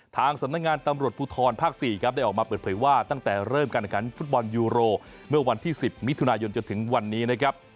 ทางสำนักงานตำรวจภูทรภาค๔ครับได้ออกมาเปิดเผยว่าตั้งแต่เริ่มการแข่งขันฟุตบอลยูโรเมื่อวันที่๑๐มิถุนายนจนถึงวันนี้นะครับ